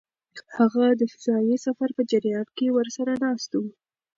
هغه د فضايي سفر په جریان کې ورسره ناست و.